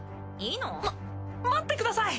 ま待ってください！